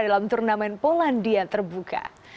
dalam turnamen polandia terbuka